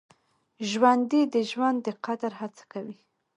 ژوندي د ژوند د قدر هڅه کوي